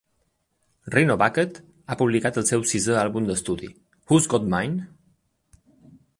Rhino Bucket ha publicat el seu sisè àlbum d'estudi, "Who's Got Mine?"